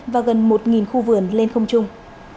và gần một khu vườn lên không chung